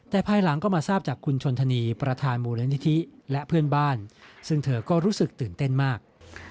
แต่ภายหลังก็มาทราบจากคุณชนธนีประธานมูลนิธิและเพื่อนบ้านซึ่งเธอก็รู้สึกตื่นเต้นมาก